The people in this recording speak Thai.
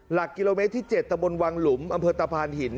หลักกิโลเมตรที่๗ตะบนวังหลุมอำเภอตะพานหิน